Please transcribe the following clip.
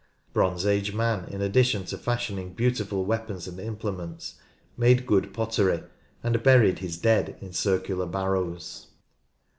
Bronze Age man, in addition to fashion ing beautiful weapons and implements, made good pottery, and buried his dead in circular barrows.